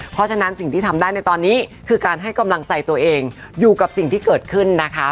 เพราะฉะนั้นสิ่งที่ทำได้ในตอนนี้คือการให้กำลังใจตัวเองอยู่กับสิ่งที่เกิดขึ้นนะคะ